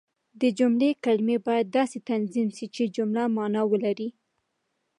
د جملې کلیمې باید داسي تنظیم سي، چي جمله مانا ولري.